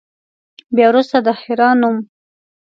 بیا وروسته د حرا نوم.